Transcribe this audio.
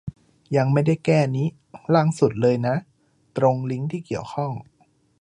ยังไม่ได้แก้นิ ล่างสุดเลยนะ ตรง ลิงก์ที่เกี่ยวข้อง